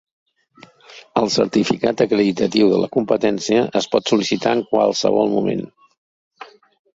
El certificat acreditatiu de la competència es pot sol·licitar en qualsevol moment.